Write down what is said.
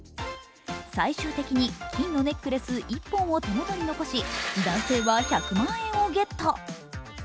最終的に金のネックレス１本を手元に残し、男性は１００万円をゲット。